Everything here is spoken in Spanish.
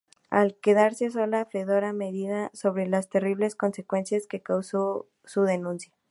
Al quedarse sola, Fedora medita sobre las terribles consecuencias que causó su denuncia.